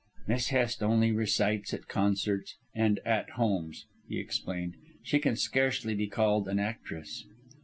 "Miss Hest only recites at concerts and 'At Homes,'" He explained; "she can scarcely be called an actress."